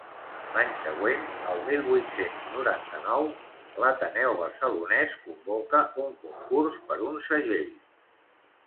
L'any següent, el mil vuit-cents noranta-nou, l'Ateneu Barcelonès convoca un concurs per un segell.